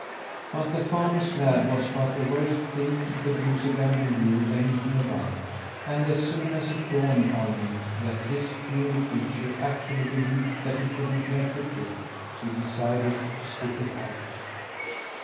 But the farmer's lad was about the worst thing the goosey gander knew anything about, and as soon as it dawned on him that this puny creature actually believed that he couldn't make the trip, he decided to stick it out.